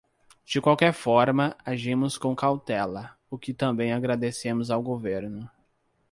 De qualquer forma, agimos com cautela, o que também agradecemos ao governo.